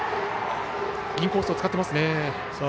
インコースを使っていますね。